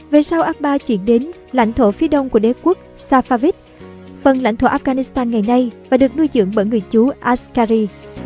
về sau akbar chuyển đến lãnh thổ phía đông của đế quốc safavit phần lãnh thổ afghanistan ngày nay và được nuôi dưỡng bởi người chú ascary